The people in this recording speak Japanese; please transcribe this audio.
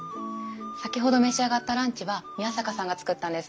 先ほど召し上がったランチは宮坂さんが作ったんです。